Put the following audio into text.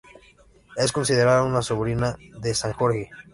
Es considerada una sobrina de San Jorge.